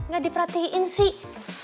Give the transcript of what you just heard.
gak diperhatiin sih